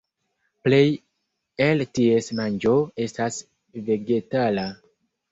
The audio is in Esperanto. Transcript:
Plej el ties manĝo estas vegetala.